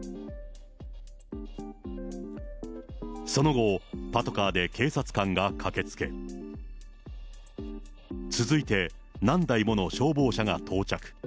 その後、パトカーで警察官が駆けつけ、続いて、何台もの消防車が到着。